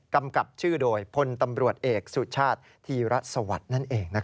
กำกับชื่อโดยพลตำรวจเอกสุชาติธีรสวัสดิ์นั่นเอง